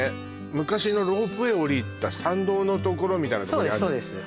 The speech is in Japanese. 昔のロープウエー降りた参道のところみたいなそうです